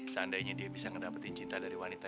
seandainya dia bisa mendapatkan cinta dari wanita